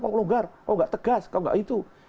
kalau pelonggar kalau nggak tegas kalau nggak itu